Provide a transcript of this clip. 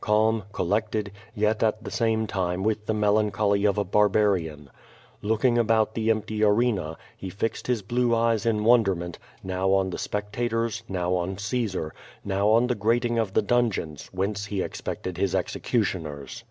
Calm, col lected, yet at the same time with the melancholy of a bar barian. Looking about the empty arena, he fixed his blue 476 0<7O VADtS. eyes in wonderment, now on the spectators, now on Caesar, now on the grating of the dungeons, whence he expected his executioners.